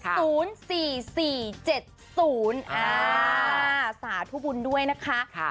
สาธุบุญด้วยนะคะ